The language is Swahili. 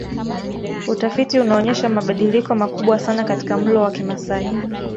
Utafiti unaonyesha mabadiliko makubwa sana katika mlo wa Kimasai